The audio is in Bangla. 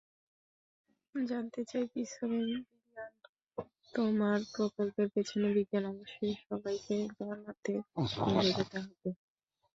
জানতে চাই পেছনের বিজ্ঞানতোমার প্রকল্পের পেছনের বিজ্ঞান অবশ্যই সবাইকে জানাতে এবং বোঝাতে হবে।